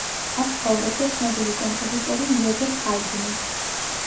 აქ ცხოვრობდა ცნობილი კომპოზიტორი იოზეფ ჰაიდნი.